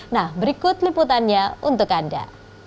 nah berikut liputannya untuk anda